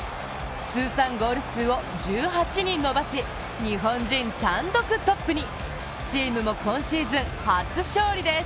通算ゴール数を１８に伸ばし日本人単独トップに！